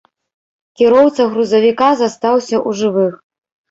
Кіроўца грузавіка застаўся ў жывых.